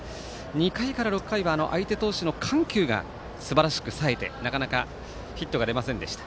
２回から６回は相手投手の緩急がすばらしくさえてなかなかヒットが出ませんでした。